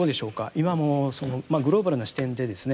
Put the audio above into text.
今もそのグローバルな視点でですね